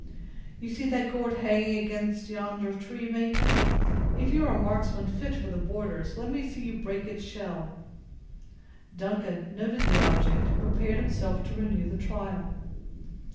"You see that gourd hanging against yonder tree, major; if you are a marksman fit for the borders, let me see you break its shell!" Duncan noted the object, and prepared himself to renew the trial.